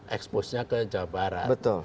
expose nya ke jawa barat